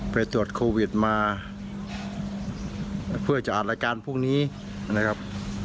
ไปตรวจโควิดมาเพื่อจะอัดรายการพรุ่งนี้นะครับ